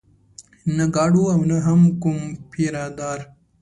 نه ګارډ و او نه هم کوم پيره دار.